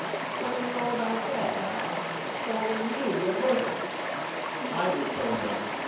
What do you know about that Al? Calling me a busher. I will show them.